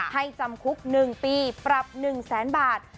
จำคุก๑ปีปรับ๑แสนบาท